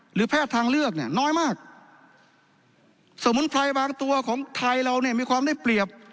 แพทย์ทางเลือกเนี่ยน้อยมากสมุนไพรบางตัวของไทยเราเนี่ยมีความได้เปรียบ